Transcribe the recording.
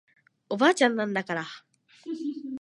おばあちゃんなんだから